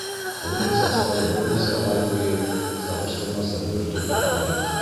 Уның составы бер нисә ай буйы сағыштырмаса бер төрлө ҡала.